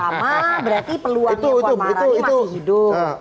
berarti peluangnya bu amarani masih hidup